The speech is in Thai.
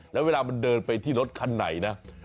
แล้วเวลามันเดินไปที่รถคันไหนนะ